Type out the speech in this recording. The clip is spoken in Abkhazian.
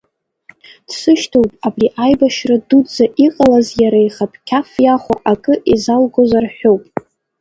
Дзышьҭоу абри аибашьра дуӡӡа иҟалаз иара ихатә қьаф иахәо акы изалгозар ҳәоуп.